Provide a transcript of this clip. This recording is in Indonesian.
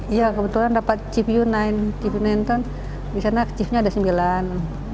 ya kebetulan dapat chief united di sana chiefnya ada sembilan